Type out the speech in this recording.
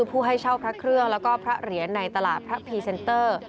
ผู้ให้เช่าพระเครื่องแล้วก็พระเหรียญในตลาดพระพรีเซนเตอร์